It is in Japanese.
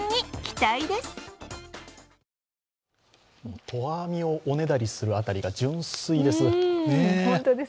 投網をおねだりするあたりが純粋です。